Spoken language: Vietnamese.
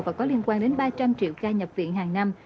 và có liên quan đến ba trăm linh triệu ca nhập viện hàng năm